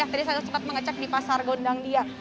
tadi saya sempat mengecek di pasar gondang dia